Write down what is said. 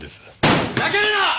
ふざけるな！